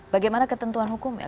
bagaimana ketentuan hukum ya